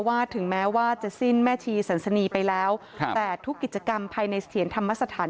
ถึงแม้ว่าจะสิ้นแม่ชีสันสนีไปแล้วครับแต่ทุกกิจกรรมภายในเสถียรธรรมสถาน